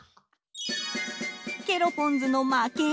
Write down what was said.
ケロポンズの負け。